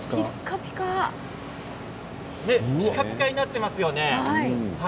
ピカピカになってますよね。